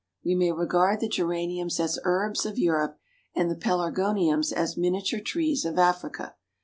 We may regard the Geraniums as herbs of Europe, and the Pelargoniums as miniature trees of Africa.